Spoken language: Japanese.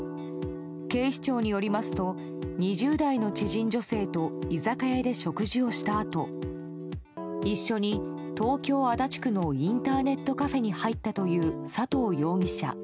警視庁によりますと２０代の知人女性と居酒屋で食事をしたあと一緒に東京・足立区のインターネットカフェに入ったという佐藤容疑者。